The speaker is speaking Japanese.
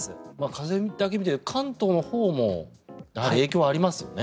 風だけ見ても関東もほうもだいぶ影響がありますよね。